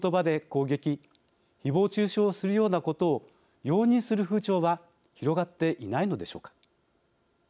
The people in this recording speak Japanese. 攻撃ひぼう中傷するようなことを容認する風潮は広がっていないのでしょうか。